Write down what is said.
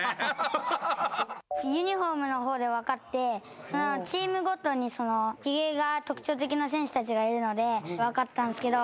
ユニホームの方で分かってチームごとにひげが特徴的な選手たちがいるので分かったんすけど。